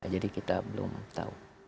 jadi kita belum tahu